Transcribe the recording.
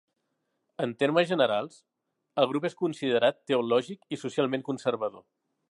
En termes generals, el grup és considerat teològic i socialment conservador.